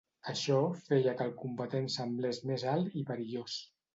Això feia que el combatent semblés més alt i perillós.